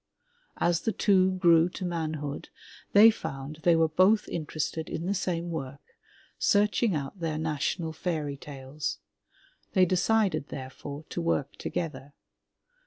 As the two grew to manhood, they found they were both interested in the same work, searching out their national fairy tales. They decided, therefore, to work together.